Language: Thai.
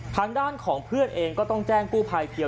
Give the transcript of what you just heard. ทางด้านของเพื่อนเองก็ต้องแจ้งกู้ภัยเพียง